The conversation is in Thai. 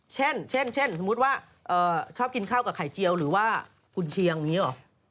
เช่นสมมุติว่าชอบกินข้าวกับไข่เจียวหรือว่ากุญเชียงอย่างนี้หรอ